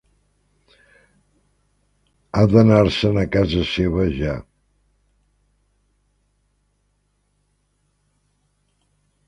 Ha d'anar-se'n a casa seva ja.